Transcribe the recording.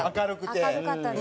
明るかったです。